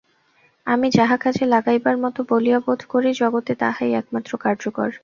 আমি যাহা কাজে লাগাইবার মত বলিয়া বোধ করি, জগতে তাহাই একমাত্র কার্যকর।